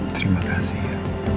terima kasih ya